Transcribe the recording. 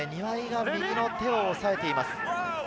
右の手を押さえています。